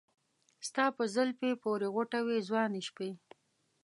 ستا په زلفې پورې غوټه وې ځواني شپې